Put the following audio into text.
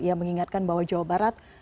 ia mengingatkan bahwa jawa barat